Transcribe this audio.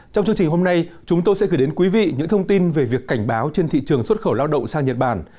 trong chương trình hôm nay chúng tôi sẽ gửi đến quý vị những thông tin về việc cảnh báo trên thị trường xuất khẩu lao động sang nhật bản